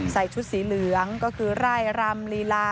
ใส่ชุดสีเหลืองก็คือไร่รำลีลา